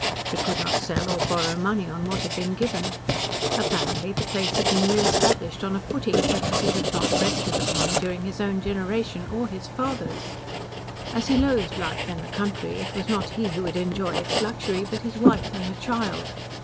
He could not sell or borrow money on what had been given. Apparently the place had been re established on a footing such as it had not rested upon during his own generation, or his father's. As he loathed life in the country, it was not he who would enjoy its luxury, but his wife and her child.